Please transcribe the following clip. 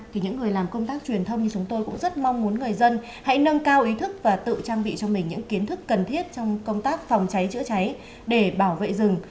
thì những người làm công tác truyền thông như chúng tôi cũng rất mong muốn người dân hãy nâng cao ý thức và tự trang bị cho mình những kiến thức cần thiết trong công tác phòng cháy chữa cháy để bảo vệ rừng